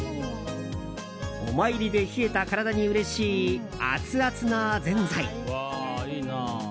お参りで冷えた体にうれしいアツアツのぜんざい。